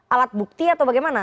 alat bukti atau bagaimana